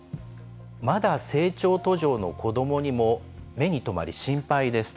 まだ成長途上の子どもにも目にとまり、心配ですと。